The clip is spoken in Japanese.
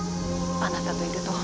あなたといると。